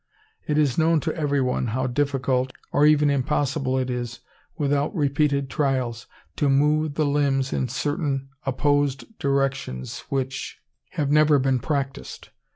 It is known to everyone how difficult, or even impossible it is, without repeated trials, to move the limbs in certain opposed directions which have never been practised.